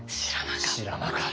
知らなかった。